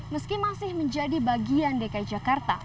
meski masih menjadi bagian dki jakarta